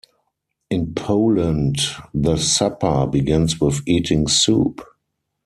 In Poland the supper begins with eating soup.